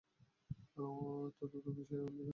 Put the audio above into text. তো তুমিই সেই লোক।